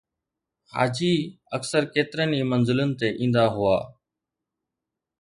حاجي اڪثر ڪيترن ئي منزلن تي ايندا هئا